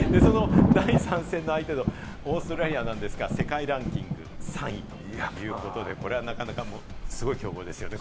第３戦の相手のオーストラリアなんですが、世界ランキング３位ということで、なかなかすごい強豪ですよね。